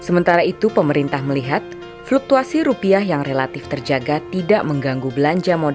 sementara itu pemerintah melihat fluktuasi rupiah yang relatif terjaga tidak mengganggu belanja modal